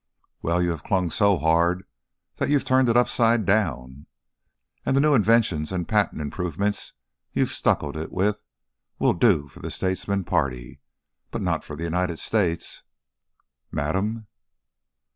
"Well, you've clung so hard you've turned it upside down, and the new inventions and patent improvements you've stuccoed it with will do for the 'Statesmen's Party,' but not for the United States Madam?"